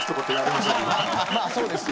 まあそうですよ。